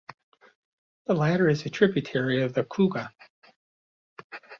The latter is a tributary of the Kouga.